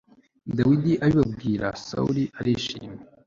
dawidi abibabwira sawuli arabyishimira